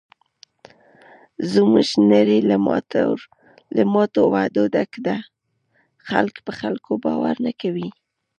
زموږ نړۍ له ماتو وعدو ډکه ده. خلک په خلکو باور نه کوي.